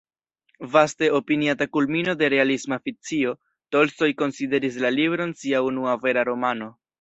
Vaste opiniata kulmino de realisma fikcio, Tolstoj konsideris la libron sia unua vera romano.